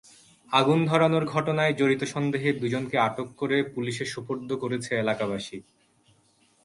আগুন ধরানোর ঘটনায় জড়িত সন্দেহে দুজনকে আটক করে পুলিশে সোপর্দ করেছে এলাকাবাসী।